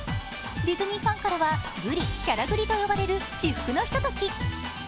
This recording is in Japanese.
ディズニーファンからは、グリ、キャラグリと呼ばれる至福のひととき。